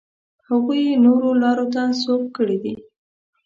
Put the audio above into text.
هغوی یې نورو لارو ته سوق کړي دي.